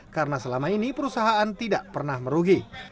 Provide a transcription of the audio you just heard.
karena selama ini perusahaan tidak pernah merugi